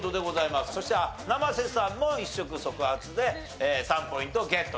そして生瀬さんも一触即発で３ポイントゲットと。